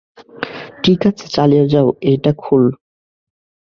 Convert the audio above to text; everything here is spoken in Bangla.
ঠিক আছে, চালিয়ে যাও, এইটা খোল।